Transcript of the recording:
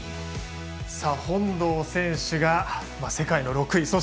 本堂選手が世界の６位。